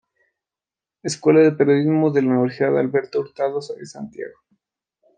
Escuela de periodismo de la Universidad Alberto Hurtado de Santiago.